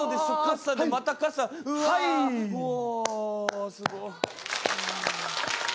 おおすごい。